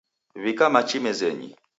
Wika machi mezenyi